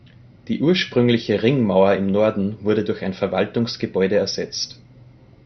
Die ursprüngliche Ringmauer im Norden wurde durch ein Verwaltungsgebäude ersetzt.